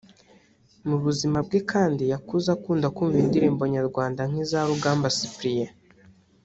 Mu buzima bwe kandi yakuze akunda kumva indirimbo nyarwanda nk’ iza Rugamba Cyprien